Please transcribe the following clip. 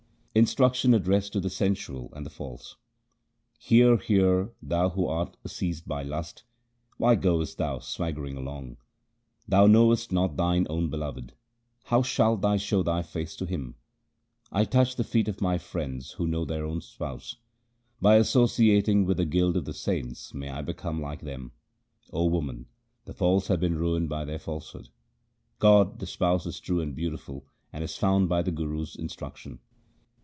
Instruction addressed to the sensual and the false :— Hear, hear, thou who art seized by lust, why goest thou swaggering along ? Thou knowest not thine own Beloved ; how shalt thou show thy face to Him ? I touch the feet of my friends who know their own Spouse. By associating with the guild of the saints, may I become like them ! O woman, the false have been ruined by their falsehood. God the Spouse is true and beautiful, and is found by the Guru's instruction.